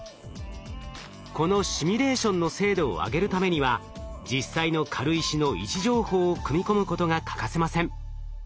このシミュレーションの精度を上げるためには実際の軽石の位置情報を組み込むことが欠かせません。